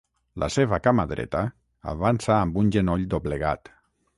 La seva cama dreta avança amb un genoll doblegat.